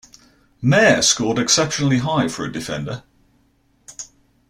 Meir scored exceptionally high for a defender.